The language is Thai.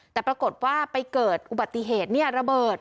แต่ปรากฏว่าไปเกิดอุบัติเหตุระเบิด